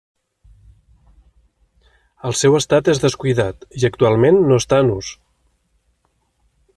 El seu estat és descuidat i actualment no està en ús.